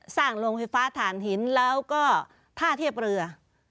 โรงไฟฟ้าฐานหินแล้วก็ท่าเทียบเรือ